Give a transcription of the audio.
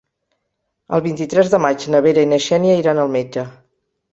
El vint-i-tres de maig na Vera i na Xènia iran al metge.